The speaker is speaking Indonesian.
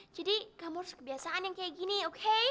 jadi kamu harus kebiasaan yang kayak gini oke